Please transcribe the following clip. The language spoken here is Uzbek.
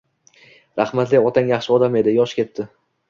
Rahmatli otang yaxshi odam edi, yosh ketdi.